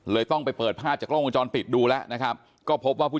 ต้องไปเปิดภาพจากกล้องวงจรปิดดูแล้วนะครับก็พบว่าผู้